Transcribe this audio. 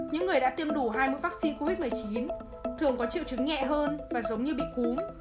những người đã tiêm đủ hai mươi vaccine covid một mươi chín thường có triệu chứng nhẹ hơn và giống như bị cúm